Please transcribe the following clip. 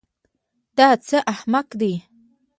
دا څه احمق دی.